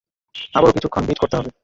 আবারও কিছুক্ষণ বিট করতে হবে।